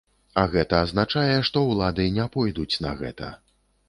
А гэта азначае, што ўлады не пойдуць на гэта.